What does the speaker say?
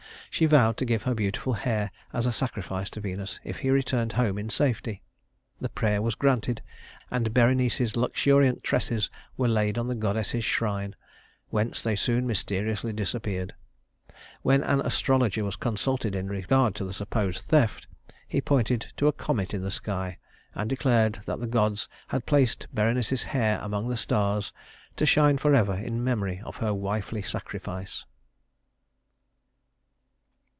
She vowed to give her beautiful hair as a sacrifice to Venus if he returned home in safety. The prayer was granted, and Berenice's luxuriant tresses were laid on the goddess's shrine, whence they soon mysteriously disappeared. When an astrologer was consulted in regard to the supposed theft, he pointed to a comet in the sky, and declared that the gods had placed Berenice's hair among the stars to shine forever in memory of her wifely sacrifice.